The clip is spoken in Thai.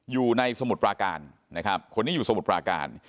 อยู่ในสมุดปลาการนะครับคนนี้อยู่สมุดปลาการ